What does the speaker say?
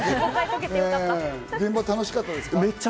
現場、楽しかったですか？